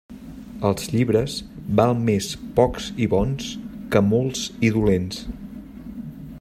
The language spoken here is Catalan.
Els llibres, val més pocs i bons que molts i dolents.